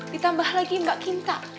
ditambah lagi mbak kinta